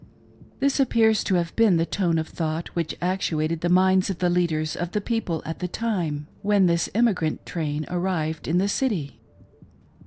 This appears to have been the tone of thought which actuated the minds of the leaders of the people at the time when this emigrant train arrived in the City.